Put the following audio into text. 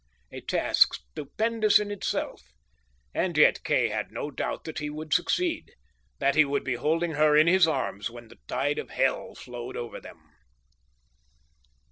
A task stupendous in itself, and yet Kay had no doubt that he would succeed, that he would be holding her in his arms when the tide of hell flowed over them.